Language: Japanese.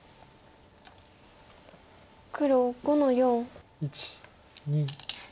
黒５の四。